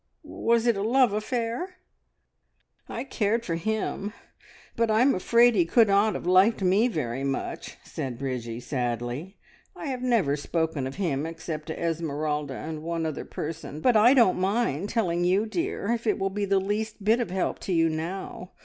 Was it a love affair?" "I cared for him, but I am afraid he could not have liked me very much," said Bridgie sadly. "I have never spoken of him except to Esmeralda and one other person, but I don't mind telling you, dear, if it will be the least bit of help to you now.